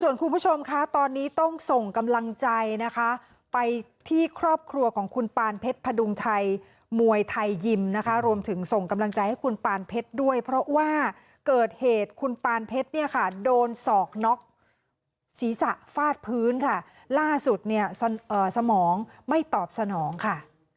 คุณผู้ชมคะตอนนี้ต้องส่งกำลังใจนะคะไปที่ครอบครัวของคุณปานเพชรพดุงชัยมวยไทยยิมนะคะรวมถึงส่งกำลังใจให้คุณปานเพชรด้วยเพราะว่าเกิดเหตุคุณปานเพชรเนี่ยค่ะโดนศอกน็อกศีรษะฟาดพื้นค่ะล่าสุดเนี่ยสมองไม่ตอบสนองค่ะ